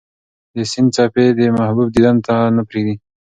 د سیند څپې د محبوب دیدن ته نه پرېږدي.